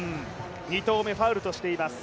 ２投目、ファウルとしています。